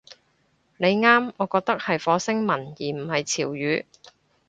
你啱，我覺得係火星文而唔係潮語